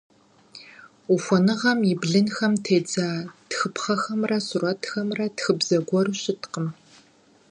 Ухуэныгъэм и блынхэм тедза тхыпхъэхэмрэ сурэтхэмрэ тхыбзэ гуэру щыткъым.